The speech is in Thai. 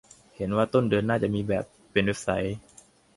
เห็นว่าต้นเดือนหน้าจะมีแบบเป็นเว็บไซต์